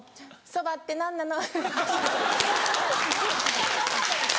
そばって何なの？